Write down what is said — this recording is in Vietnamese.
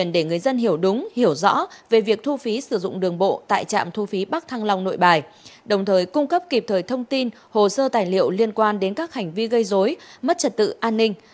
để người dân hiểu đúng hiểu rõ về việc thu phí sử dụng đường bộ tại trạm thu phí bắc thăng long nội bài đồng thời cung cấp kịp thời thông tin hồ sơ tài liệu liên quan đến các hành vi gây dối mất trật tự an ninh